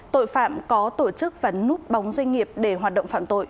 tội phạm có tổ chức và núp bóng doanh nghiệp để hoạt động phạm tội